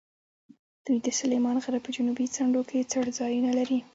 دوی د سلیمان غره په جنوبي څنډو کې څړځایونه لري.